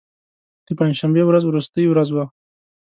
د پنج شنبې ورځ وروستۍ ورځ وه.